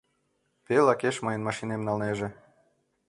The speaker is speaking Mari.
Пел акеш мыйын машинем налнеже.